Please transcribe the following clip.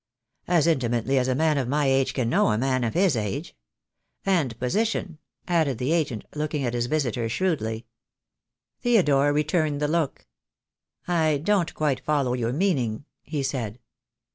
"As intimately as a man of my age can know a man of his age." "And position," added the agent, looking at his visitor shrewdly. Theodore returned the look. "I don't quite follow your meaning," he said.